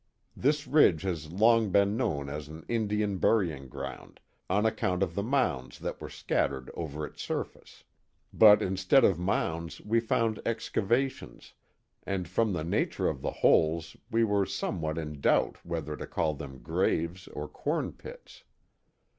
This ridge has long been known as an Indian burying*ground, on account of the mounds that were scattered over its surface. But. instead of mounds wq found excavations, and from the nature of the holes we were somewhat in doubt whether to call thjMn graves or cornpits.